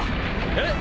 えっ？